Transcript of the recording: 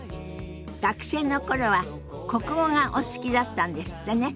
学生の頃は国語がお好きだったんですってね。